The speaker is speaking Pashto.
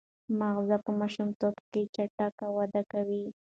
ماغزه په ماشومتوب کې چټک وده کوي.